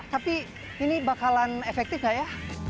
tapi ini bakalan efektif gak ya